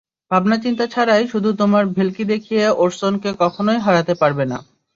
ভাবনা-চিন্তা ছাড়াই শুধু তোমার ভেলকি দেখিয়ে ওরসনকে কখনোই হারাতে পারবে না।